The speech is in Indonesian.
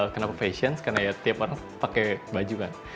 kenapa fashion karena ya tiap orang pakai baju kan